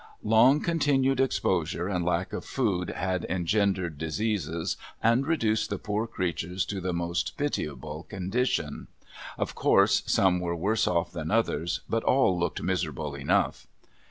Long continued exposure and lack of food had engendered diseases and reduced the poor creatures to the most pitiable condition. Of course some were worse off than others, but all looked miserable enough.